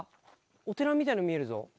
お寺みたいなの見えるぞ。